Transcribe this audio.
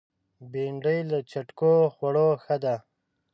بېنډۍ له چټکو خوړو ښه ده